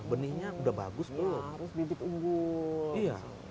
benihnya udah bagus belum